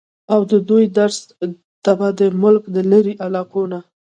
اود دوي درس ته به د ملک د لرې علاقو نه